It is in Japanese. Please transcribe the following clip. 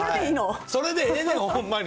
それでええよ、ほんまに。